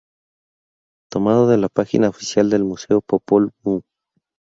Tomado de la página oficial del Museo Popol Vuh.